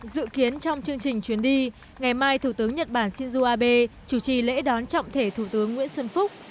dự kiến trong chương trình chuyến đi ngày mai thủ tướng nhật bản shinzo abe chủ trì lễ đón trọng thể thủ tướng nguyễn xuân phúc